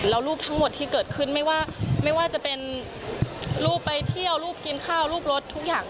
แล้วรูปทั้งหมดที่เกิดขึ้นไม่ว่าไม่ว่าจะเป็นรูปไปเที่ยวรูปกินข้าวรูปรถทุกอย่าง